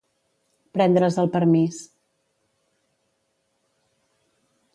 Prendre's el permís.